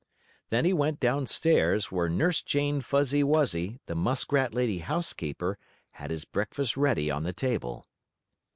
Then he went down stairs, where Nurse Jane Fuzzy Wuzzy, the muskrat lady housekeeper, had his breakfast ready on the table.